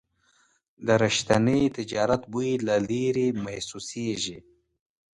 د رښتیني تجارت بوی له لرې محسوسېږي.